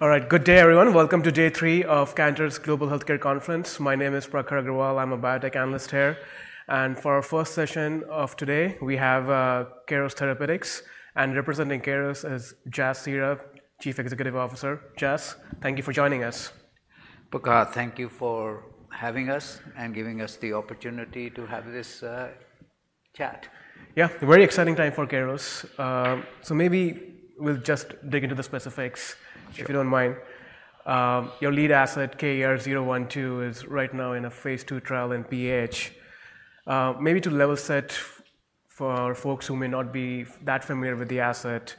All right, good day, everyone. Welcome to day three of Cantor's Global Healthcare Conference. My name is Prakhar Agrawal, I'm a biotech analyst here, and for our first session of today, we have Keros Therapeutics, and representing Keros is Jas Seehra, Chief Executive Officer. Jas, thank you for joining us. Prakhar, thank you for having us and giving us the opportunity to have this chat. Yeah, a very exciting time for Keros. So maybe we'll just dig into the specifics- Sure. If you don't mind. Your lead asset, KER-012, is right now in a phase II trial in PAH. Maybe to level set for folks who may not be that familiar with the asset,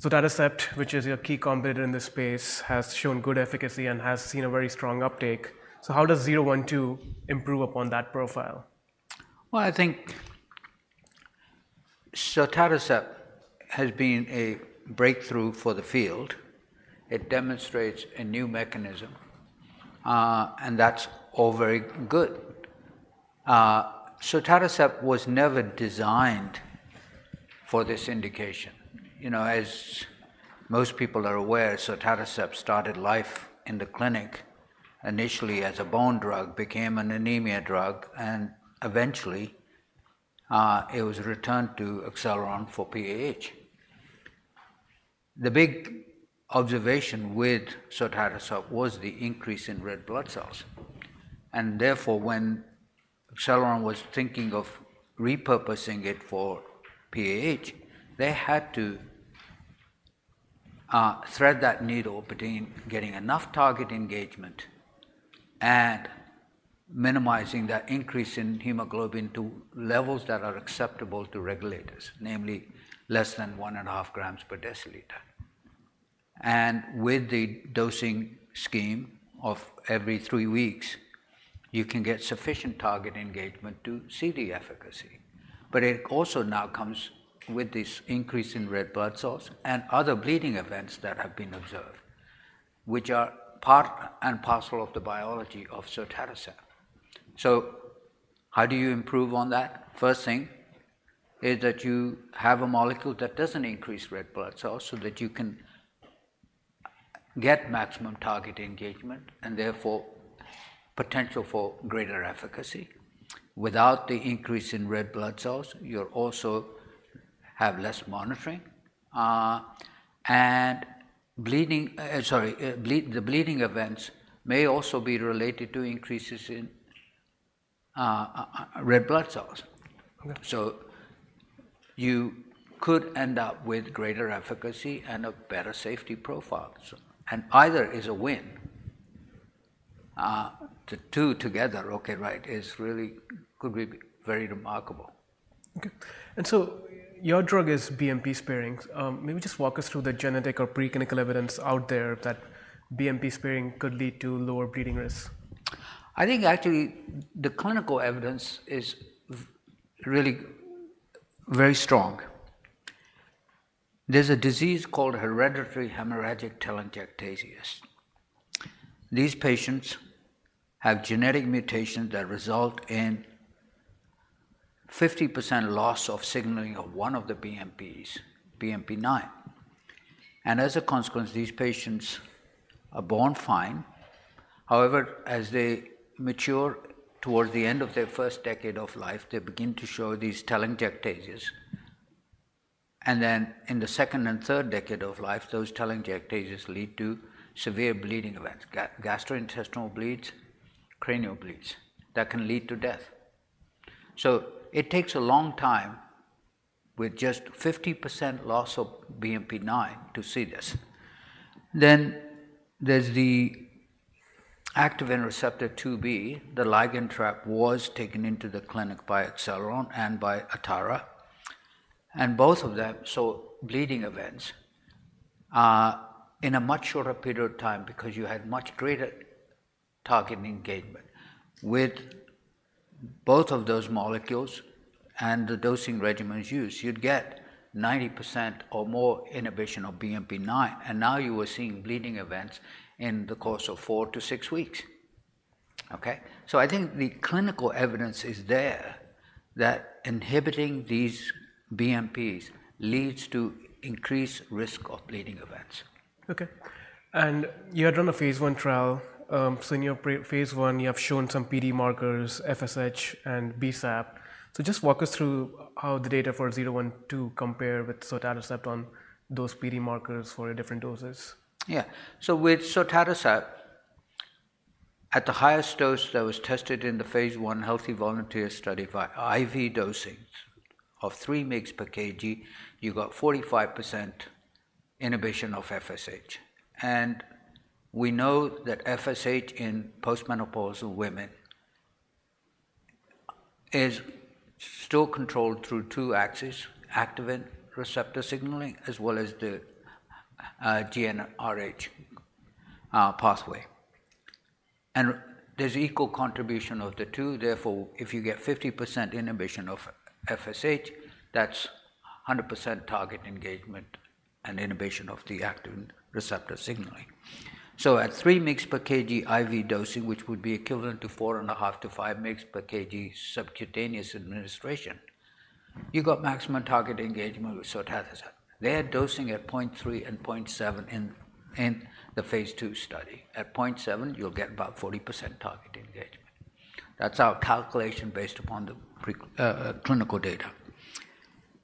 sotatercept, which is your key competitor in this space, has shown good efficacy and has seen a very strong uptake. So how does KER-012 improve upon that profile? I think sotatercept has been a breakthrough for the field. It demonstrates a new mechanism, and that's all very good. Sotatercept was never designed for this indication. You know, as most people are aware, sotatercept started life in the clinic initially as a bone drug, became an anemia drug, and eventually, it was returned to Acceleron for PAH. The big observation with sotatercept was the increase in red blood cells, and therefore, when Acceleron was thinking of repurposing it for PAH, they had to thread that needle between getting enough target engagement and minimizing that increase in hemoglobin to levels that are acceptable to regulators, namely less than one and a half grams per deciliter. With the dosing scheme of every three weeks, you can get sufficient target engagement to see the efficacy, but it also now comes with this increase in red blood cells and other bleeding events that have been observed, which are part and parcel of the biology of sotatercept. How do you improve on that? First thing is that you have a molecule that doesn't increase red blood cells, so that you can get maximum target engagement and therefore potential for greater efficacy. Without the increase in red blood cells, you'll also have less monitoring, and the bleeding events may also be related to increases in red blood cells. Okay. So you could end up with greater efficacy and a better safety profile, so and either is a win. The two together, okay, right, is really, could be very remarkable. Okay, and so your drug is BMP sparing. Maybe just walk us through the genetic or preclinical evidence out there that BMP sparing could lead to lower bleeding risk. I think actually the clinical evidence is really very strong. There's a disease called hereditary hemorrhagic telangiectasia. These patients have genetic mutations that result in 50% loss of signaling of one of the BMPs, BMP9, and as a consequence, these patients are born fine. However, as they mature, towards the end of their first decade of life, they begin to show these telangiectasias, and then in the second and third decade of life, those telangiectasias lead to severe bleeding events, gastrointestinal bleeds, cranial bleeds that can lead to death. So it takes a long time with just 50% loss of BMP9 to see this. Then there's the activin receptor IIB, the ligand trap was taken into the clinic by Acceleron and by Atara, and both of them saw bleeding events in a much shorter period of time because you had much greater target engagement. With both of those molecules and the dosing regimens used, you'd get 90% or more inhibition of BMP9, and now you were seeing bleeding events in the course of 4-6 weeks, okay? So I think the clinical evidence is there, that inhibiting these BMPs leads to increased risk of bleeding events. Okay. And you had run a phase I trial, so in your phase I, you have shown some PD markers, FSH and BSAP. So just walk us through how the data for KER-012 compare with Sotatercept on those PD markers for the different doses. Yeah. So with sotatercept, at the highest dose that was tested in the phase I healthy volunteer study via IV dosing of three mg per kg, you got 45% inhibition of FSH. And we know that FSH in post-menopausal women is still controlled through two axes: activin receptor signaling, as well as the GnRH pathway. And there's equal contribution of the two, therefore, if you get 50% inhibition of FSH, that's 100% target engagement and inhibition of the activin receptor signaling. So at three mg per kg IV dosing, which would be equivalent to four and a half to five mg per kg subcutaneous administration, you got maximum target engagement with sotatercept. They are dosing at 0.3 and 0.7 in the phase 2 study. At 0.7, you'll get about 40% target engagement. That's our calculation based upon the pre-clinical data.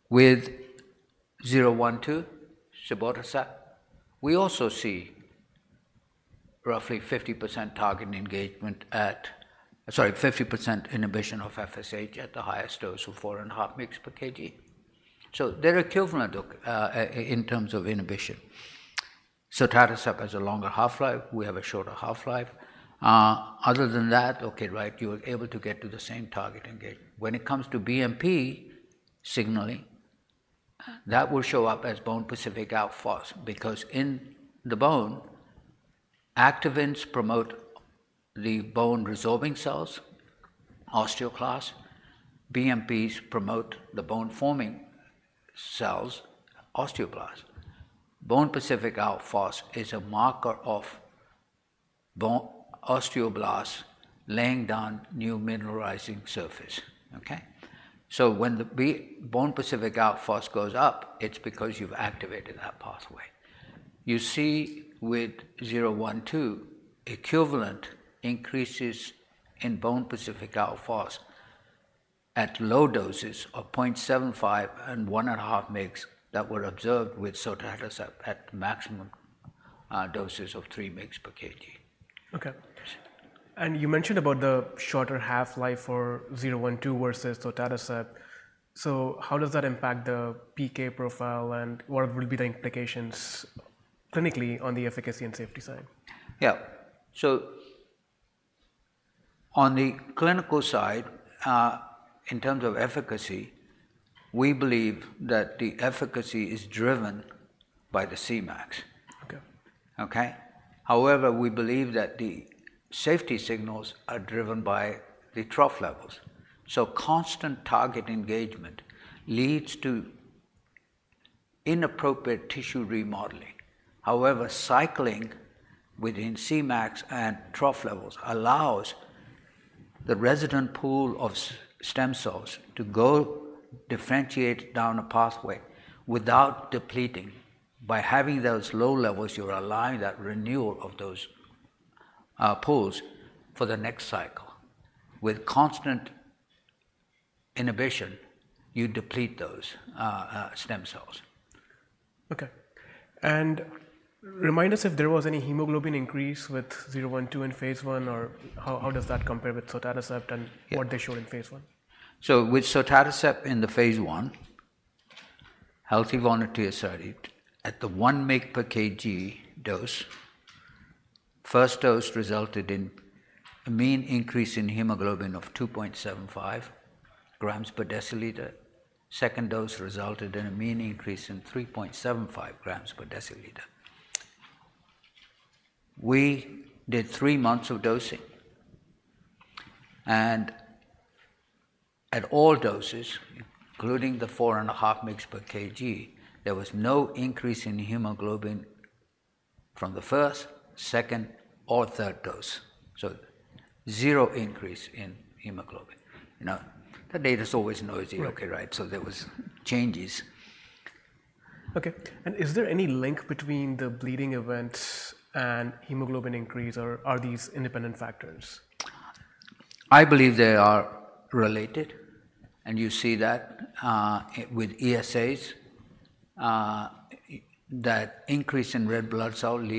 With zero, one, two, cibotercept, we also see roughly 50% target engagement at-- Sorry, 50% inhibition of FSH at the highest dose of 4.5 mg per kg. So they're equivalent in terms of inhibition. Sotatercept has a longer half-life, we have a shorter half-life. Other than that, okay, right, you are able to get to the same target engagement. When it comes to BMP signaling, that will show up as bone-specific alk phos, because in the bone, activins promote the bone-resorbing cells, osteoclasts. BMPs promote the bone-forming cells, osteoblasts. Bone-specific alk phos is a marker of bone osteoblasts laying down new mineralizing surface, okay? So when the bone-specific alk phos goes up, it's because you've activated that pathway. You see with zero, one, two equivalent increases in bone-specific alk phos at low doses of point seven five and one and a half mgs that were observed with sotatercept at maximum doses of three mgs per kg. Okay. And you mentioned about the shorter half-life for KER-012 versus Sotatercept. So how does that impact the PK profile, and what would be the implications clinically on the efficacy and safety side? Yeah. So on the clinical side, in terms of efficacy, we believe that the efficacy is driven by the Cmax. Okay. Okay? However, we believe that the safety signals are driven by the trough levels. So constant target engagement leads to inappropriate tissue remodeling. However, cycling within Cmax and trough levels allows the resident pool of stem cells to go differentiate down a pathway without depleting. By having those low levels, you are allowing that renewal of those pools for the next cycle. With constant inhibition, you deplete those stem cells. Okay. And remind us if there was any hemoglobin increase with zero, one, two in phase one, or how, how does that compare with Sotatercept? Yeah. -and what they showed in phase one? So with sotatercept in the phase 1 healthy volunteer study, at the 1 mg per kg dose, first dose resulted in a mean increase in hemoglobin of 2.75 grams per deciliter. Second dose resulted in a mean increase in 3.75 grams per deciliter. We did three months of dosing, and at all doses, including the 4.5 mg per kg, there was no increase in hemoglobin from the first, second, or third dose. So zero increase in hemoglobin. You know, the data is always noisy. Right. Okay, right. So there was changes. Okay. And is there any link between the bleeding events and hemoglobin increase, or are these independent factors? I believe they are related, and you see that with ESAs. That increase in red blood cells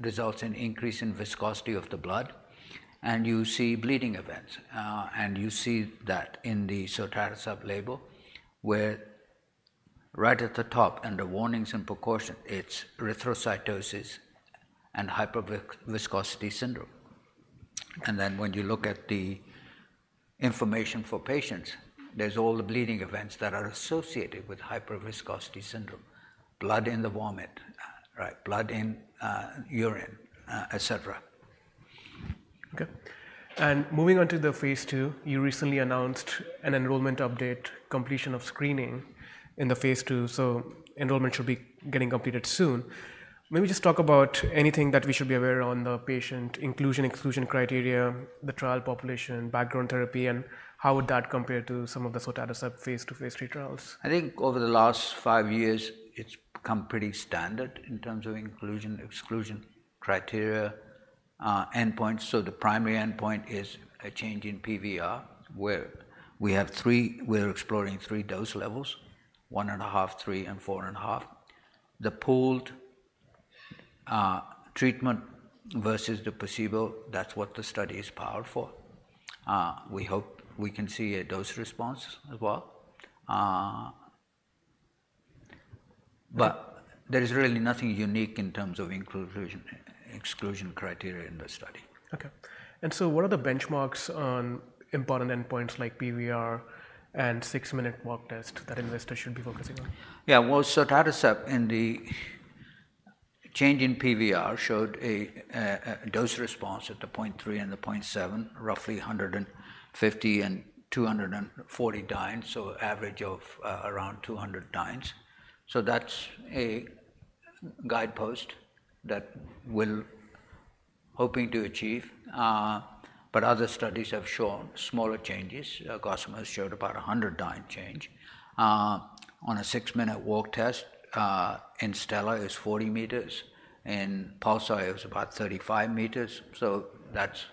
results in increase in viscosity of the blood, and you see bleeding events. And you see that in the sotatercept label, where right at the top, under warnings and precaution, it's erythrocytosis and hyperviscosity syndrome. And then, when you look at the information for patients, there's all the bleeding events that are associated with hyperviscosity syndrome: blood in the vomit, right, blood in urine, et cetera. Okay, and moving on to the phase 2, you recently announced an enrollment update, completion of screening in the phase 2, so enrollment should be getting completed soon. Maybe just talk about anything that we should be aware of on the patient inclusion, exclusion criteria, the trial population, background therapy, and how would that compare to some of the Sotatercept phase 2, phase 3 trials? I think over the last five years, it's become pretty standard in terms of inclusion, exclusion criteria, endpoints. So the primary endpoint is a change in PVR, where we're exploring three dose levels: one and a half, three, and four and a half. The pooled treatment versus the placebo, that's what the study is powered for. We hope we can see a dose response as well. But there is really nothing unique in terms of inclusion, exclusion criteria in the study. Okay. And so what are the benchmarks on important endpoints like PVR and six-minute walk test that investors should be focusing on? Yeah, well, sotatercept in the change in PVR showed a dose response at the 0.3 and the 0.7, roughly 150 and 240 dynes, so average of around 200 dynes. So that's a guidepost that hoping to achieve, but other studies have shown smaller changes. Gossamer showed about a 100 dynes change. On a six-minute walk test, in STELLAR is 40 meters, in PULSAR it was about 35 meters, so that's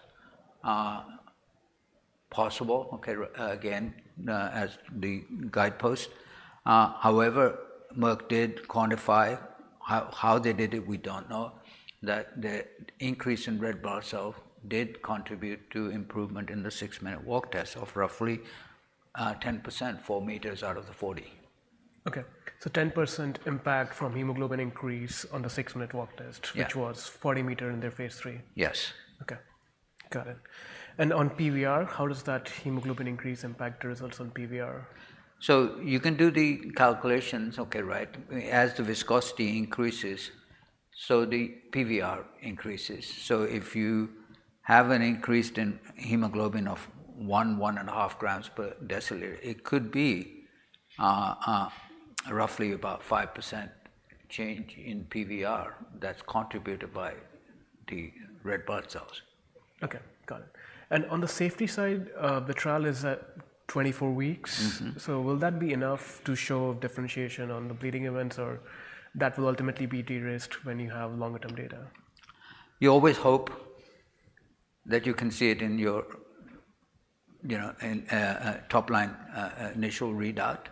possible, okay, again, as the guidepost. However, Merck did quantify how they did it, we don't know, that the increase in red blood cell did contribute to improvement in the six-minute walk test of roughly 10%, 4 meters out of the 40. Okay. So 10% impact from hemoglobin increase on the six-minute walk test- Yeah. - which was 40-meter in their phase 3? Yes. Okay, got it. And on PVR, how does that hemoglobin increase impact the results on PVR? So you can do the calculations, okay, right? As the viscosity increases, so the PVR increases. So if you have an increase in hemoglobin of one, one and a half grams per deciliter, it could be, roughly about 5% change in PVR that's contributed by the red blood cells. Okay, got it. And on the safety side, the trial is at 24 weeks. Mm-hmm. Will that be enough to show differentiation on the bleeding events, or that will ultimately be de-risked when you have longer term data? You always hope that you can see it in your, you know, in, a top line initial readout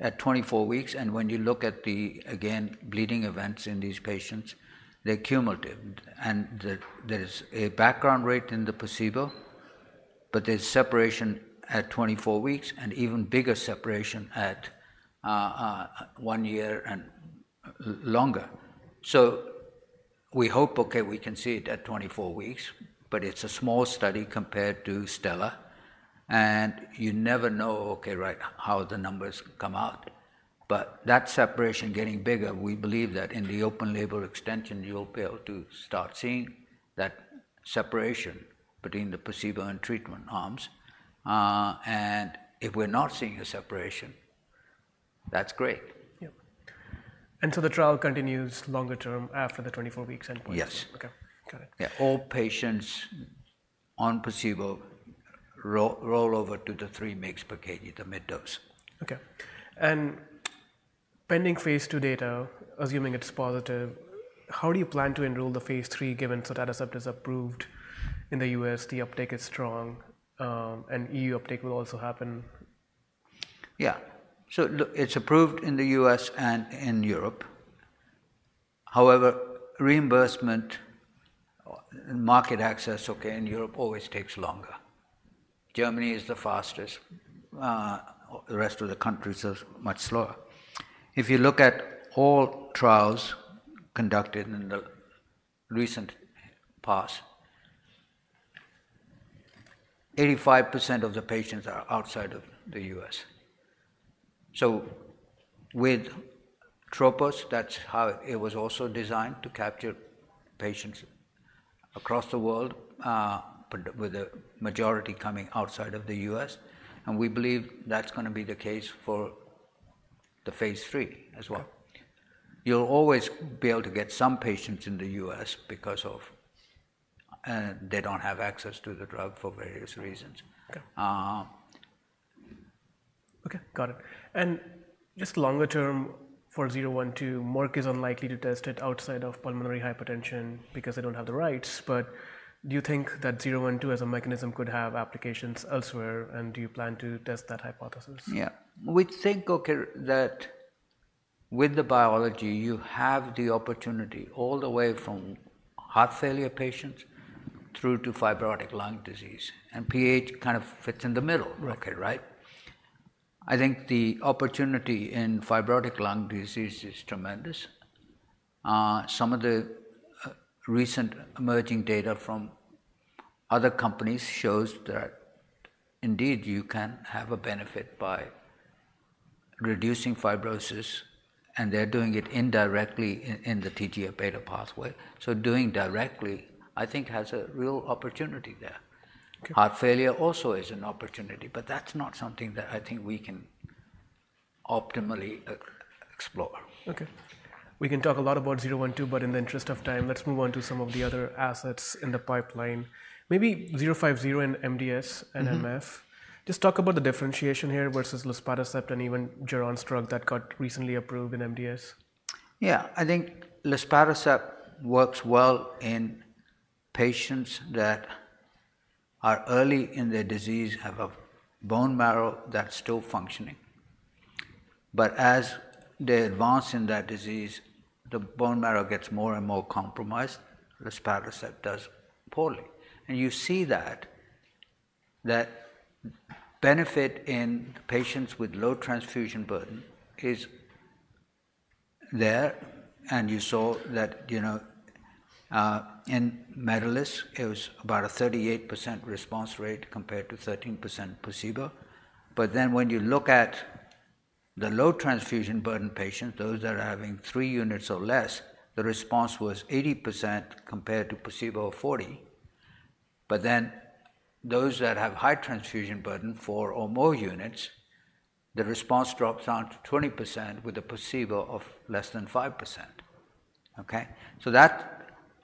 at twenty-four weeks, and when you look at the, again, bleeding events in these patients, they're cumulative, and there's a background rate in the placebo, but there's separation at twenty-four weeks, and even bigger separation at one year and longer, so we hope, okay, we can see it at twenty-four weeks, but it's a small study compared to STELLAR, and you never know, okay, right, how the numbers come out, but that separation getting bigger, we believe that in the open label extension, you'll be able to start seeing that separation between the placebo and treatment arms, and if we're not seeing a separation, that's great. Yeah. And so the trial continues longer term after the 24-week endpoint? Yes. Okay. Got it. Yeah. All patients on placebo roll over to the three mg per kg, the mid dose. Okay. Pending phase two data, assuming it's positive, how do you plan to enroll the phase three, given sotatercept is approved in the US, the uptake is strong, and EU uptake will also happen? Yeah, so look, it's approved in the U.S. and in Europe. However, reimbursement, market access, okay, in Europe always takes longer. Germany is the fastest. The rest of the countries are much slower. If you look at all trials conducted in the recent past, 85% of the patients are outside of the U.S. So with TROPOS, that's how it was also designed to capture patients across the world, but with the majority coming outside of the U.S., and we believe that's gonna be the case for the phase three as well. You'll always be able to get some patients in the U.S. because they don't have access to the drug for various reasons. Okay. Uh... Okay, got it. And just longer term, for KER-012, Merck is unlikely to test it outside of pulmonary hypertension because they don't have the rights. But do you think that KER-012, as a mechanism, could have applications elsewhere, and do you plan to test that hypothesis? Yeah. We think, okay, that with the biology, you have the opportunity all the way from heart failure patients through to fibrotic lung disease, and PH kind of fits in the middle- Right. Okay, right? I think the opportunity in fibrotic lung disease is tremendous. Some of the recent emerging data from other companies shows that indeed, you can have a benefit by reducing fibrosis, and they're doing it indirectly in the TGF-beta pathway. So doing directly, I think has a real opportunity there. Okay. Heart failure also is an opportunity, but that's not something that I think we can optimally explore. Okay. We can talk a lot about zero, one, two, but in the interest of time, let's move on to some of the other assets in the pipeline. Maybe zero, five, zero in MDS and MF. Mm-hmm. Just talk about the differentiation here versus luspatercept and even Geron's drug that got recently approved in MDS. Yeah, I think luspatercept works well in patients that are early in their disease, have a bone marrow that's still functioning. But as they advance in that disease, the bone marrow gets more and more compromised, luspatercept does poorly. And you see that, that benefit in patients with low transfusion burden is there, and you saw that, you know, in MEDALIST, it was about a 38% response rate compared to 13% placebo. But then when you look at the low transfusion burden patients, those that are having three units or less, the response was 80% compared to placebo, 40%. But then those that have high transfusion burden, four or more units, the response drops down to 20% with a placebo of less than 5%. Okay? That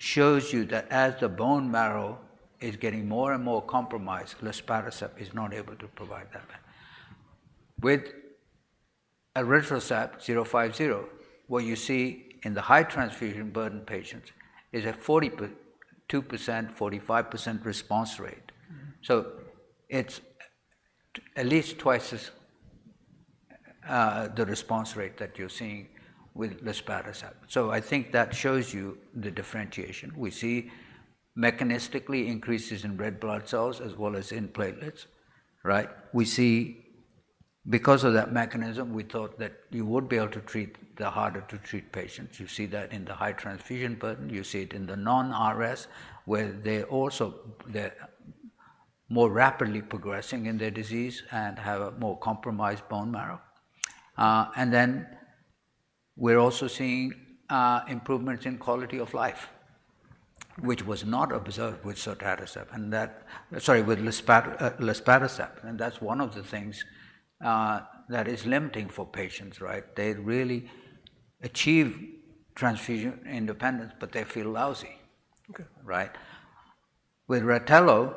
shows you that as the bone marrow is getting more and more compromised, luspatercept is not able to provide that much. With elritercept KER-050, what you see in the high transfusion burden patients is a 42%, 45% response rate. Mm-hmm. So it's at least twice as the response rate that you're seeing with luspatercept. So I think that shows you the differentiation. We see mechanistically increases in red blood cells as well as in platelets, right? Because of that mechanism, we thought that you would be able to treat the harder to treat patients. You see that in the high transfusion burden, you see it in the non-RS, where they also they're more rapidly progressing in their disease and have a more compromised bone marrow. And then we're also seeing improvements in quality of life, which was not observed with sotatercept, and that. Sorry, with luspatercept, and that's one of the things that is limiting for patients, right? They really achieve transfusion independence, but they feel lousy. Okay. Right? With Rytelo,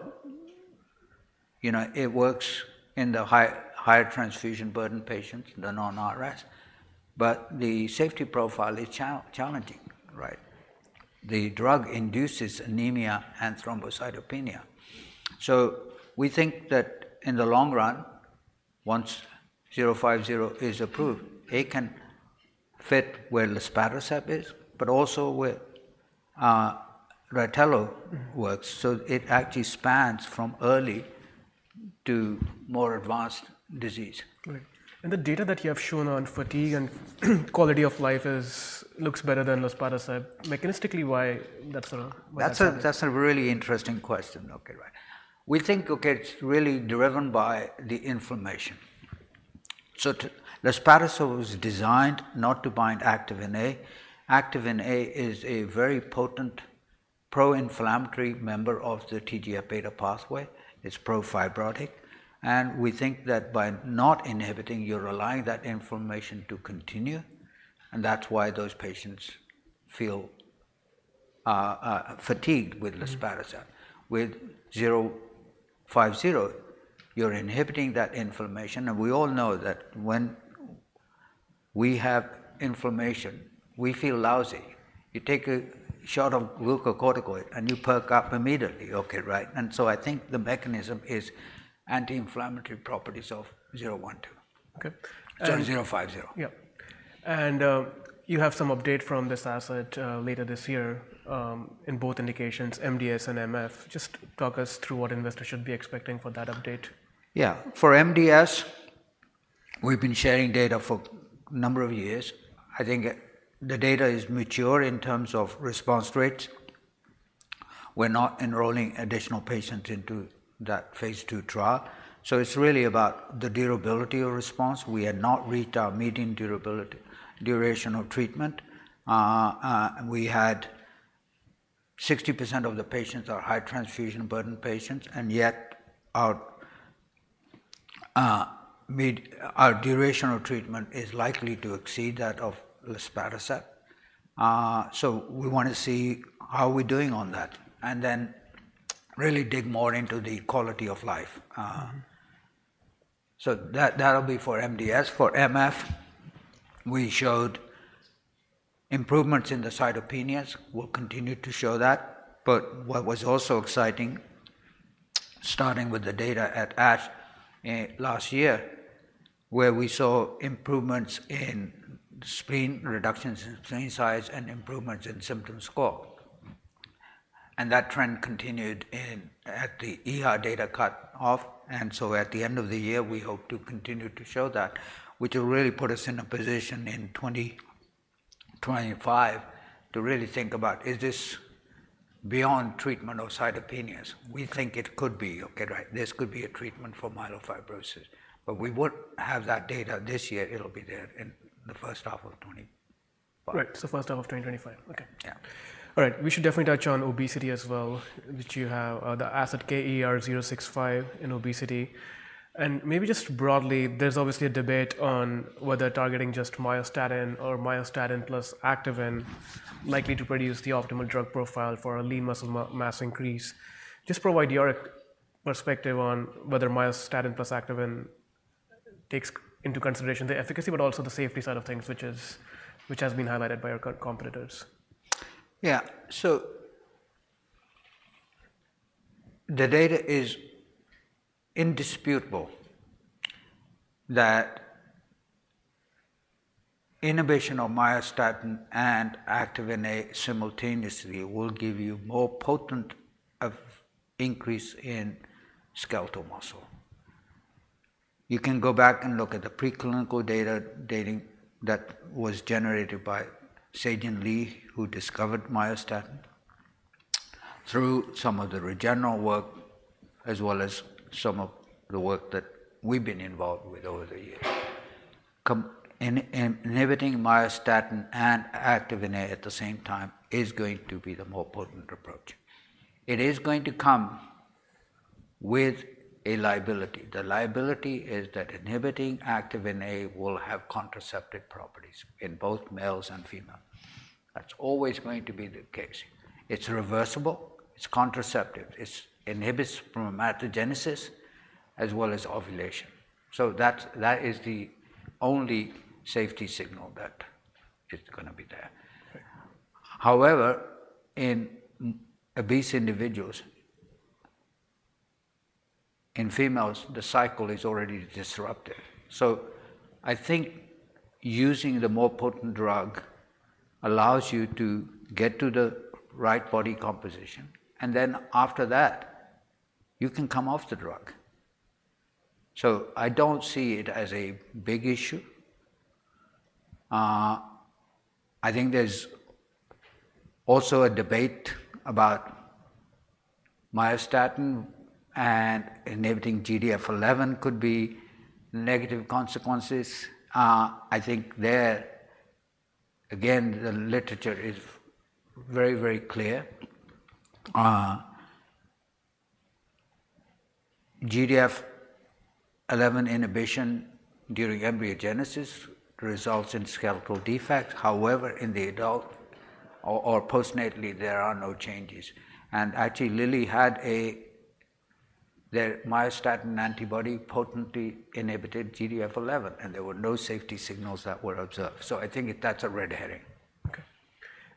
you know, it works in the higher transfusion burden patients, the non-RS, but the safety profile is challenging, right? The drug induces anemia and thrombocytopenia. So we think that in the long run, once zero five zero is approved, it can fit where Luspatercept is, but also where Rytelo- Mm-hmm. works, so it actually spans from early to more advanced disease. Right, and the data that you have shown on fatigue and quality of life looks better than Luspatercept. Mechanistically, why that's what happened? That's a really interesting question. Okay, right. We think it's really driven by the inflammation. So luspatercept was designed not to bind activin A. Activin A is a very potent pro-inflammatory member of the TGF-beta pathway. It's pro-fibrotic, and we think that by not inhibiting, you're allowing that inflammation to continue, and that's why those patients feel fatigued with luspatercept. With zero five zero, you're inhibiting that inflammation, and we all know that when we have inflammation, we feel lousy. You take a shot of glucocorticoid, and you perk up immediately. Okay, right? And so I think the mechanism is anti-inflammatory properties of zero one two. Okay, and- Sorry, zero five zero. Yeah. And you have some update from this asset later this year in both indications, MDS and MF. Just talk us through what investors should be expecting for that update. Yeah. For MDS, we've been sharing data for a number of years. I think the data is mature in terms of response rates. We're not enrolling additional patients into that phase II trial, so it's really about the durability of response. We had not reached our median durability, duration of treatment. We had 60% of the patients are high transfusion burden patients, and yet our duration of treatment is likely to exceed that of luspatercept. So we wanna see how we're doing on that, and then really dig more into the quality of life. So that, that'll be for MDS. For MF, we showed improvements in the cytopenias. We'll continue to show that, but what was also exciting, starting with the data at ASH last year, where we saw improvements in spleen, reductions in spleen size, and improvements in symptom score. And that trend continued in at the ER data cut-off, and so at the end of the year, we hope to continue to show that, which will really put us in a position in 2025 to really think about is this beyond treatment of cytopenias? We think it could be, okay, right. This could be a treatment for myelofibrosis, but we won't have that data this year. It'll be there in the first half of 2025. Right, so first half of 2025, okay. Yeah. All right, we should definitely touch on obesity as well, which you have the asset KER-065 in obesity. And maybe just broadly, there's obviously a debate on whether targeting just myostatin or myostatin plus activin likely to produce the optimal drug profile for a lean muscle mass increase. Just provide your perspective on whether myostatin plus activin takes into consideration the efficacy, but also the safety side of things, which has been highlighted by our current competitors. Yeah. So the data is indisputable, that inhibition of myostatin and activin A simultaneously will give you more potent of increase in skeletal muscle. You can go back and look at the preclinical data dating that was generated by Se-Jin Lee, who discovered myostatin, through some of the Regeneron work, as well as some of the work that we've been involved with over the years in inhibiting myostatin and activin A at the same time is going to be the more potent approach. It is going to come with a liability. The liability is that inhibiting activin A will have contraceptive properties in both males and female. That's always going to be the case. It's reversible, it's contraceptive, it inhibits spermatogenesis as well as ovulation. So that is the only safety signal that is gonna be there. However, in obese individuals, in females, the cycle is already disrupted. So I think using the more potent drug allows you to get to the right body composition, and then after that, you can come off the drug, so I don't see it as a big issue. I think there's also a debate about myostatin and inhibiting GDF11 could be negative consequences. I think, again, the literature is very, very clear. GDF11 inhibition during embryogenesis results in skeletal defects. However, in the adult or postnatally, there are no changes, and actually, Lilly had their myostatin antibody potently inhibited GDF11, and there were no safety signals that were observed, so I think that's a red herring. Okay,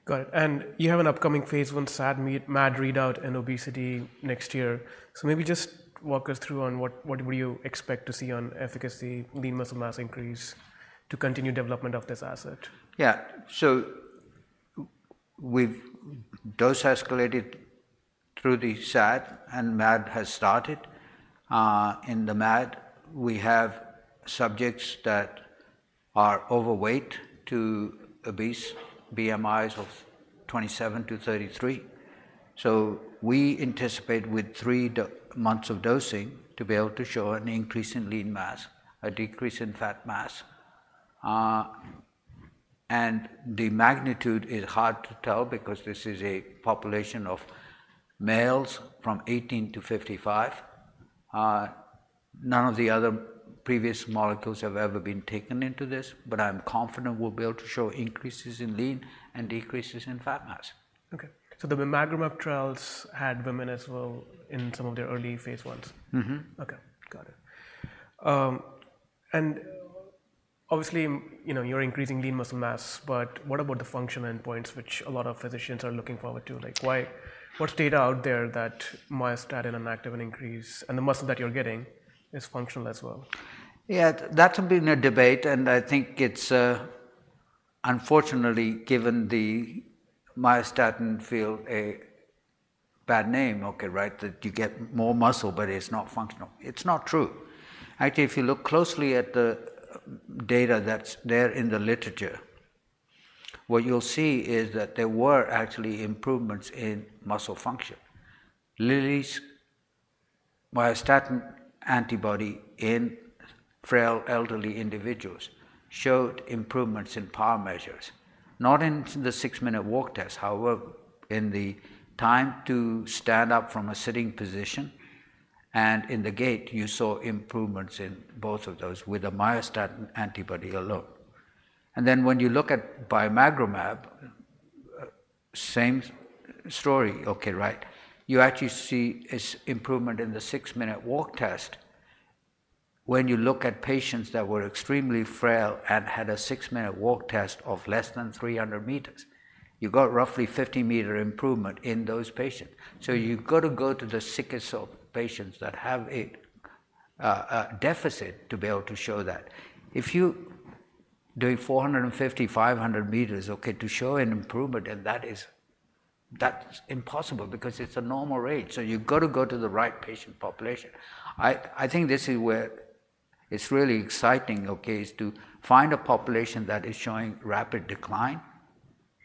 got it. And you have an upcoming phase I SAD, MAD readout in obesity next year. So maybe just walk us through on what you would expect to see on efficacy, lean muscle mass increase, to continue development of this asset? Yeah. So we've dose escalated through the SAD, and MAD has started. In the MAD, we have subjects that are overweight to obese, BMIs of 27-33. So we anticipate with three months of dosing to be able to show an increase in lean mass, a decrease in fat mass. And the magnitude is hard to tell because this is a population of males from 18-55. None of the other previous molecules have ever been taken into this, but I'm confident we'll be able to show increases in lean and decreases in fat mass. Okay. So the bimagrumab trials had women as well in some of their early phase ones? Mm-hmm. Okay, got it. And obviously, you know, you're increasing lean muscle mass, but what about the function endpoints, which a lot of physicians are looking forward to? Like, what data are out there that myostatin and activin increase, and the muscle that you're getting is functional as well? Yeah, that's been a debate, and I think it's, unfortunately, given the myostatin field a bad name, okay, right? That you get more muscle, but it's not functional. It's not true. Actually, if you look closely at the data that's there in the literature, what you'll see is that there were actually improvements in muscle function. Lilly's myostatin antibody in frail, elderly individuals showed improvements in power measures, not in the six-minute walk test, however, in the time to stand up from a sitting position and in the gait, you saw improvements in both of those with a myostatin antibody alone. And then when you look at Bimagrumab, same story, okay, right? You actually see this improvement in the six-minute walk test. When you look at patients that were extremely frail and had a six-minute walk test of less than 300 meters, you got roughly 50-meter improvement in those patients. So you've got to go to the sickest of patients that have a deficit to be able to show that. If you're doing 450, 500 meters, okay, to show an improvement, then that is... That's impossible because it's a normal rate, so you've got to go to the right patient population. I think this is where it's really exciting, okay, is to find a population that is showing rapid decline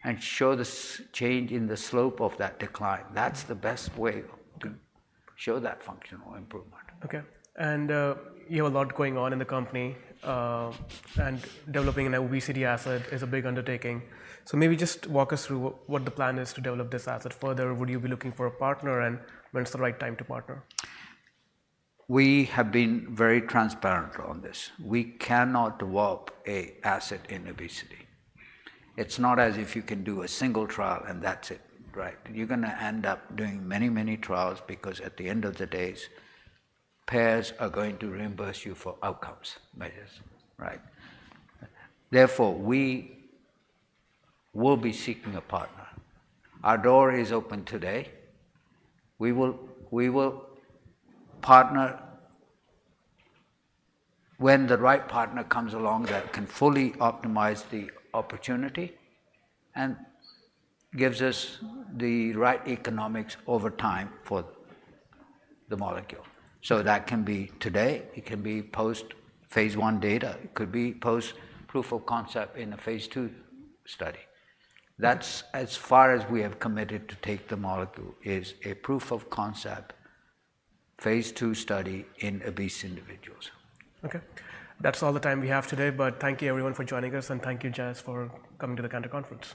and show this change in the slope of that decline. That's the best way to show that functional improvement. Okay. And you have a lot going on in the company, and developing an obesity asset is a big undertaking. So maybe just walk us through what the plan is to develop this asset further. Would you be looking for a partner, and when is the right time to partner? We have been very transparent on this. We cannot develop an asset in obesity. It's not as if you can do a single trial, and that's it, right? You're gonna end up doing many, many trials because at the end of the day, payers are going to reimburse you for outcomes measures, right? Therefore, we will be seeking a partner. Our door is open today. We will, we will partner when the right partner comes along that can fully optimize the opportunity and gives us the right economics over time for the molecule. So that can be today, it can be post-phase I data, it could be post-proof of concept in a phase II study. That's as far as we have committed to take the molecule, is a proof of concept phase II study in obese individuals. Okay. That's all the time we have today, but thank you, everyone, for joining us, and thank you, Jas, for coming to the Cantor Conference.